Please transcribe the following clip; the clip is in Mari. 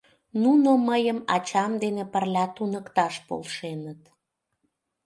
Нуно мыйым ачам дене пырля туныкташ полшеныт.